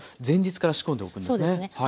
前日から仕込んでおくんですね。